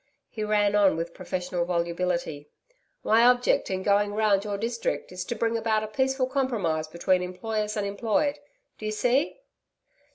He ran on with professional volubility. 'My object in going round your district is to bring about a peaceful compromise between employers and employed Do you see....?'